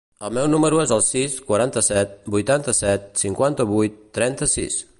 El meu número es el sis, quaranta-set, vuitanta-set, cinquanta-vuit, trenta-sis.